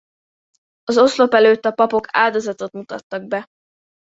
Az oszlop előtt a papok áldozatot mutattak be.